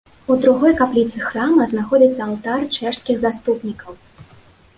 У другой капліцы храма знаходзіцца алтар чэшскіх заступнікаў.